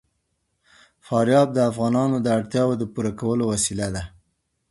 فاریاب د افغانانو د اړتیاوو د پوره کولو وسیله ده.